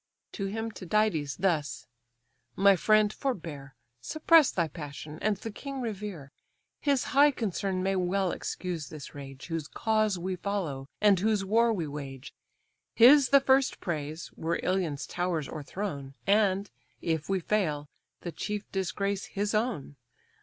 To him Tydides thus: "My friend, forbear; Suppress thy passion, and the king revere: His high concern may well excuse this rage, Whose cause we follow, and whose war we wage: His the first praise, were Ilion's towers o'erthrown, And, if we fail, the chief disgrace his own.